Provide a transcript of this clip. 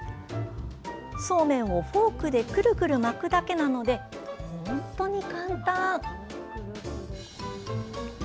そうめんをフォークでクルクル巻くだけなので本当に簡単。